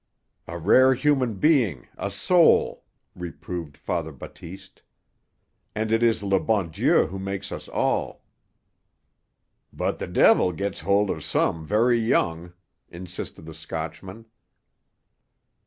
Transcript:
"A rare human being—a soul," reproved Father Batiste. "And it is le bon Dieu who makes us all." "But the de'il gets hold of some very young," insisted the Scotchman.